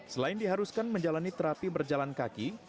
selain diharuskan menjalani terapi berjalan kaki